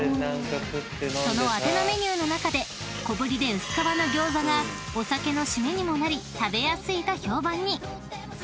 ［そのアテのメニューの中で小ぶりで薄皮の餃子がお酒のシメにもなり食べやすいと評判に］